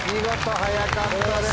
早かったです。